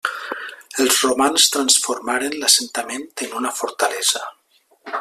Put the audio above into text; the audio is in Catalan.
Els romans transformaren l'assentament en una fortalesa.